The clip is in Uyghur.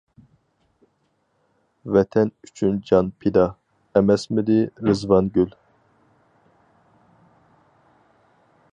ۋەتەن ئۈچۈن جان پىدا، ئەمەسمىدى رىزۋانگۈل.